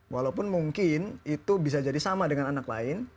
walaupun mungkin itu bisa jadi sama dengan anak lain